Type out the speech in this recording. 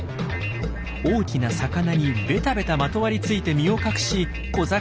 大きな魚にベタベタまとわりついて身を隠し小魚に近づく。